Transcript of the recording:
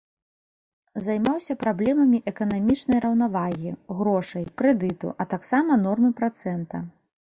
Займаўся праблемамі эканамічнай раўнавагі, грошай, крэдыту, а таксама нормы працэнта.